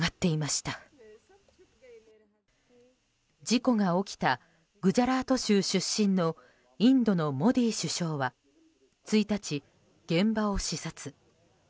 事故が起きたグジャラート州出身のインドのモディ首相は１日、現場を視察。